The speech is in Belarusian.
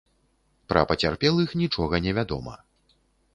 Пра пацярпелых нічога не вядома.